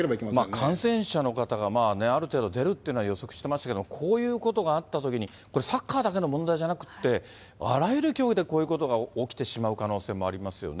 感染者の方がある程度出るというのは予測してましたけれども、こういうことがあったときにサッカーだけの問題じゃなくて、あらゆる競技でこういうことが起きてしまう可能性がありますよね。